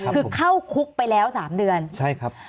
คือเข้าคุกไปแล้ว๓เดือนใช่ครับ